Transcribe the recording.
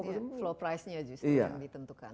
itu flow price nya justru yang ditentukan